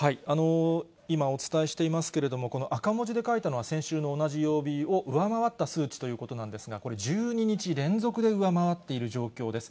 今お伝えしていますけれども、この赤文字で書いたのは、先週の同じ曜日を上回った数値ということなんですが、これ、１２日連続で上回っている状況です。